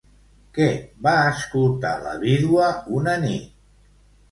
Què va escoltar la vídua una nit?